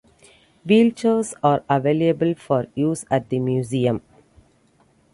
Wheelchairs are available for use at the museum.